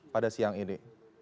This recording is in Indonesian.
pada siang ini